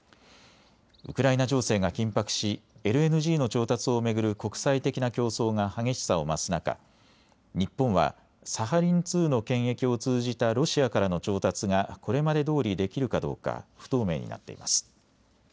ウクライナ情勢が緊迫しＬＮＧの調達を巡る国際的な競争が激しさを増す中、日本はサハリン２の権益を通じたロシアからの調達がこれまでどおりできるかどうか不透明になっています。